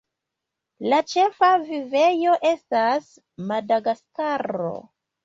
La ĉefa vivejo estas Madagaskaro.